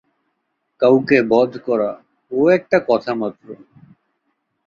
কাউকে বধ করা, ও একটা কথা মাত্র।